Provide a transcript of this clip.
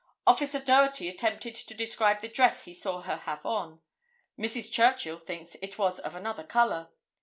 Officer Doherty attempted to describe the dress he saw her have on. Mrs. Churchill thinks it was of another color.